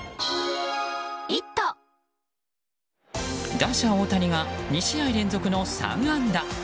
打者・大谷が２試合連続の３安打。